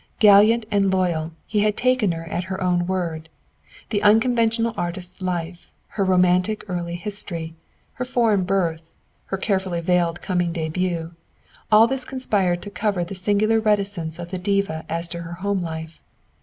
Gallant and loyal, he had taken her at her own word. The unconventional artist life, her romantic early history, her foreign birth, her carefully veiled coming début, all this conspired to cover the singular reticence of the diva as to her home life.